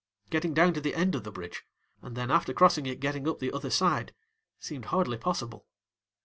Getting down to the end of the bridge, and then after crossing it getting up the other side, seemed hardly possible.